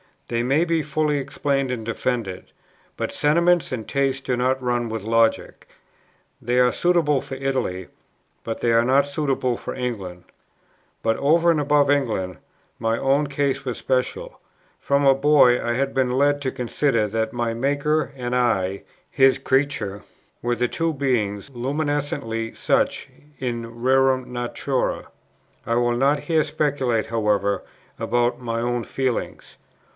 They may be fully explained and defended; but sentiment and taste do not run with logic: they are suitable for Italy, but they are not suitable for England. But, over and above England, my own case was special; from a boy I had been led to consider that my Maker and I, His creature, were the two beings, luminously such, in rerum naturâ. I will not here speculate, however, about my own feelings.